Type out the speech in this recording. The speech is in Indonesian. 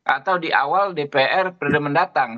atau di awal dpr periode mendatang